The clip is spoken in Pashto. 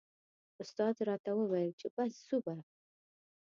استاد راته و ویل چې بس ځو به.